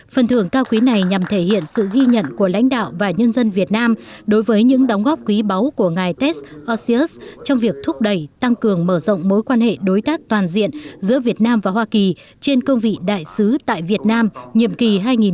phần thưởng cao quý này nhằm thể hiện sự ghi nhận của lãnh đạo và nhân dân việt nam đối với những đóng góp quý báu của ngài test acius trong việc thúc đẩy tăng cường mở rộng mối quan hệ đối tác toàn diện giữa việt nam và hoa kỳ trên cương vị đại sứ tại việt nam nhiệm kỳ hai nghìn một mươi sáu hai nghìn hai mươi một